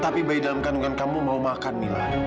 tapi bayi dalam kandungan kamu mau makan mila